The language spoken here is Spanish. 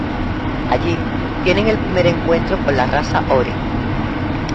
Allí tienen el primer encuentro con la raza Ori.